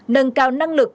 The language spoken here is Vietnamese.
năm nâng cao năng lực